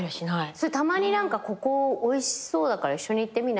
それたまに何か「ここおいしそうだから一緒に行ってみない？」とかもないの？